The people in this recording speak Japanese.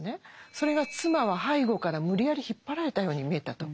それが妻は背後から無理やり引っ張られたように見えたと。